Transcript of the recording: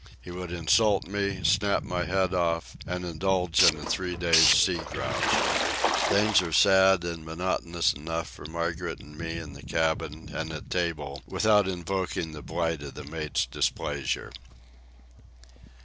He would insult me, snap my head off, and indulge in a three days' sea grouch. Things are sad and monotonous enough for Margaret and me in the cabin and at table, without invoking the blight of the mate's displeasure.